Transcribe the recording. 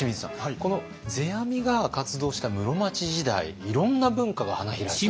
この世阿弥が活動した室町時代いろんな文化が花開いた。